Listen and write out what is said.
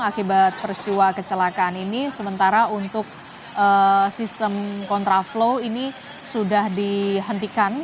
akibat peristiwa kecelakaan ini sementara untuk sistem kontraflow ini sudah dihentikan